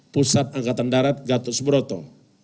pusat angkatan darat gatot subroto